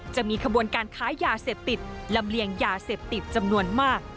จะมีขบวนการค้ายาเสพติดลำเลียงยาเสพติดจำนวนมาก